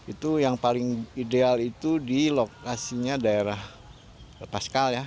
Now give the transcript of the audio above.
itu yang paling ideal itu di lokasinya daerah pascal ya